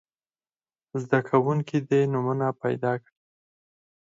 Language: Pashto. زده کوونکي دې نومونه پیداکړي.